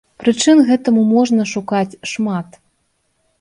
Прычын гэтаму можна шукаць шмат.